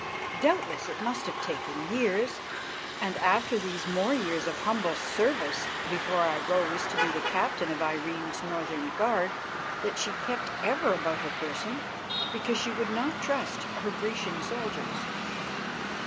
Doubtless it must have taken years, and after these more years of humble service, before I rose to be the captain of Irene's Northern Guard that she kept ever about her person, because she would not trust her Grecian soldiers.